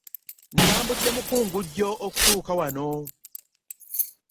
Ntambudde mukungujjo okutuuka wano.